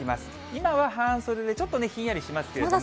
今は半袖で、ちょっとね、ひんやりしますけれども。